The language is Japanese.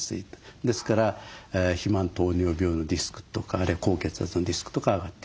ですから肥満糖尿病のリスクとかあるいは高血圧のリスクとか上がってきます。